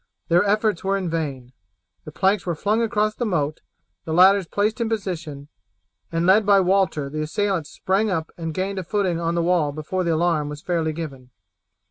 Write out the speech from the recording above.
Their efforts were in vain. The planks were flung across the moat, the ladders placed in position, and led by Walter the assailants sprang up and gained a footing on the wall before the alarm was fairly given.